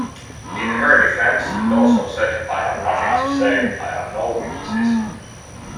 In her defence, Dawson said I have nothing to say, I have no witnesses.